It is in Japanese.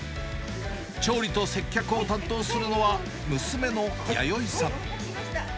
調理と接客を担当するのは、娘のやよいさん。